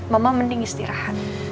mama mending istirahat